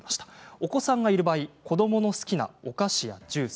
お子さんがいる場合子どもの好きなお菓子やジュース